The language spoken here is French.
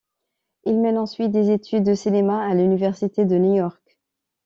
Il mène ensuite des études de cinéma à l'Université de New York.